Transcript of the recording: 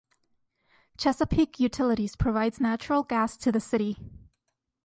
Chesapeake Utilities provides natural gas to the city.